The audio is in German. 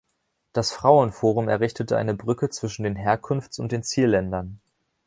Das Frauenforum errichtete eine Brücke zwischen den Herkunfts- und den Zielländern.